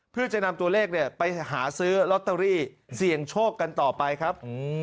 เพื่อจะนำตัวเลขไปหาซื้อลอตเตอรี่เสี่ยงโชคกันต่อไปครับ